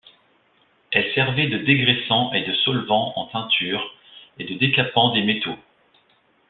Elle servait de dégraissant et de solvant en teinture et de décapant des métaux.